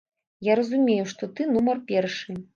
Я разумею, што ты нумар першы.